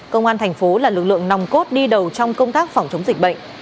công an tp vinh là lực lượng nòng cốt đi đầu trong công tác phòng chống dịch bệnh